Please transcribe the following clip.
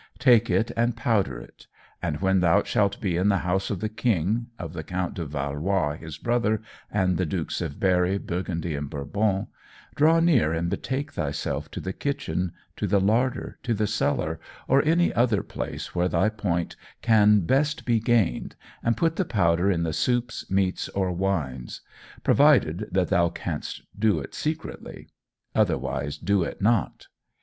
Take it, and powder it; and when thou shalt be in the house of the King, of the Count de Valois his brother, and the Dukes of Berri, Burgundy, and Bourbon, draw near and betake thyself to the kitchen, to the larder, to the cellar, or any other place where thy point can best be gained, and put the powder in the soups, meats, or wines; provided that thou canst do it secretly. Otherwise do it not."